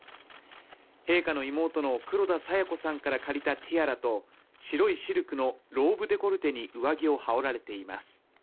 陛下の妹の黒田清子さんから借りたティアラと白いシルクのローブデコルテに上着を羽織られています。